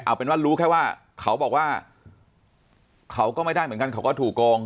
เอาเป็นว่ารู้แค่ว่าเขาบอกว่าเขาก็ไม่ได้เหมือนกันเขาก็ถูกโกง